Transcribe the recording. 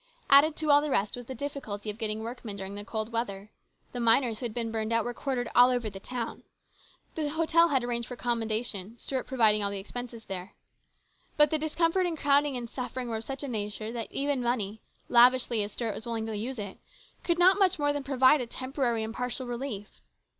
Added to all the rest was the difficulty of getting workmen during the cold weather. The miners who had been burned out THE CONFERENCE. 259 were quartered all over the town. The hotel had arranged for accommodation, Stuart providing all the expenses there. But the discomfort and crowding and suffering were of such a nature that even money, lavishly as Stuart was willing to use it, could not much more than provide a temporary and partial relief.